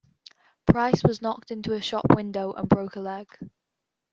Pryce was knocked into a shop window and broke a leg.